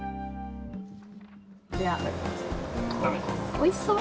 おいしそう。